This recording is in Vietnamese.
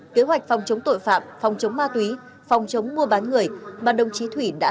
kế hoạch phòng chống tội phạm phòng chống ma túy phòng chống mua bán người mà đồng chí thủy đã